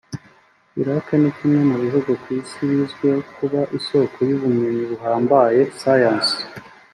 Iraq ni kimwe mu bihugu ku isi bizwiho kuba isoko y’ubumenyi buhambaye (science)